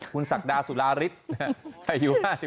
คุณศักดาสุราริสต์อายุ๕๘ปี